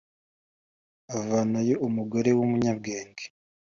avanayo umugore w’umunyabwenge